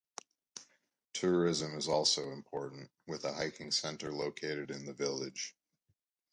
Tourism is also important, with a hiking centre located in the village.